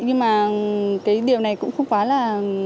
nhưng mà cái điều này cũng không quá là